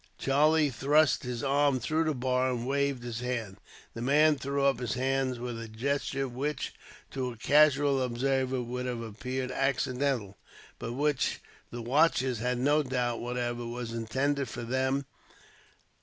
Charlie thrust his arm through the bar, and waved his hand. The man threw up his arm with a gesture which, to a casual observer, would have appeared accidental; but which the watchers had no doubt, whatever, was intended for them.